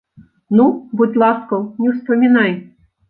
Ну, будзь ласкаў, не ўспамінай!